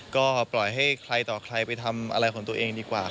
ก็ปล่อยให้ใครต่อใครไปทำอะไรของตัวเองดีกว่า